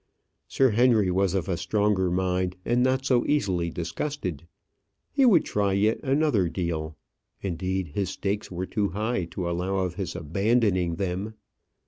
Sir Henry was of a stronger mind, and not so easily disgusted: he would try yet another deal. Indeed, his stakes were too high to allow of his abandoning them.